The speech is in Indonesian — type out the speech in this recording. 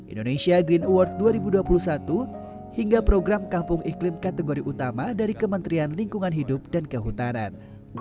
indonesia green award dua ribu dua puluh satu hingga program kampung iklim kategori utama dari kementerian lingkungan hidup dan kehutanan